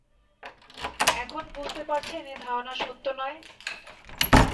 এখন বুঝতে পারছেন, এ ধারণা সত্য নয়।